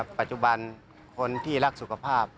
ปัจจุบันคนที่รักสุขภาพ